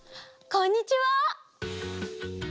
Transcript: こんにちは！